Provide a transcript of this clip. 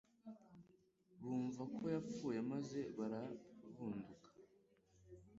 bumva ko yapfuye maze barabunduka.